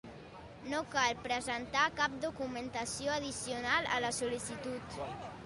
No cal presentar cap documentació addicional a la sol·licitud.